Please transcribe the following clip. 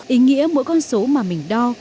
ý nghĩa mỗi con số mà mình đo